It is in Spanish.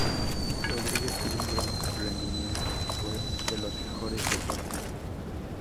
Rodríguez tuvo un gran rendimiento, fue de los mejores del partido.